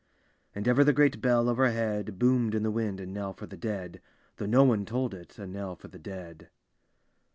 And ever the great bell overhead Boom'd in the wind a knell for the dead. Though no one toll'd it, a knell for the dead.